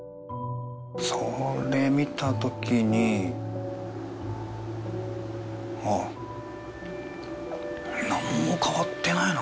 それ見たときにああなんも変わってないな